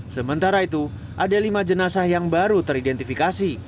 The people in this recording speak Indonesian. sementara itu ada lima jenazah yang baru teridentifikasi